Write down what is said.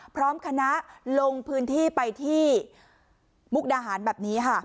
พร้อมคณะลงพื้นที่ไปที่มุกดาหารแบบนี้ค่ะ